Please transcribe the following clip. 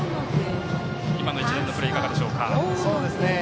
今の一連のプレーいかがでしょうか？